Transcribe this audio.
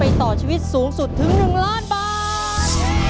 ต่อชีวิตสูงสุดถึง๑ล้านบาท